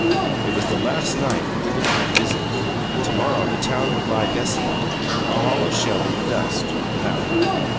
It was the last night of the divine visit; to morrow the town would lie desolate, a hollow shell in the dust, without her.